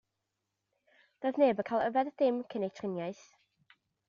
Doedd neb yn cael yfed dim cyn eu triniaeth.